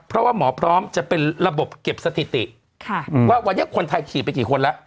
เพราะว่าหมอพร้อมจะเป็นระบบเก็บสถิติว่าวันนี้คนไทยขี่ไปกี่คนแล้ว